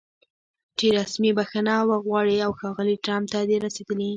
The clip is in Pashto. چې رسمي بښنه وغواړي او ښاغلي ټرمپ ته د رسېدلي